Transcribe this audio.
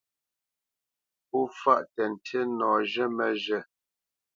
Pó fâʼ tə́ ntí nɔ zhə́ məzhə̂.